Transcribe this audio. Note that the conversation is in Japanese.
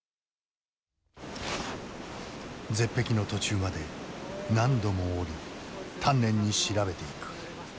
絶壁の途中まで何度も降り丹念に調べていく。